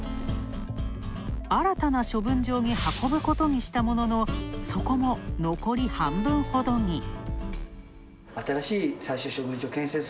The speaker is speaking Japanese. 新たな処分場に運ぶことにしたもののそこも残り半分ほどに。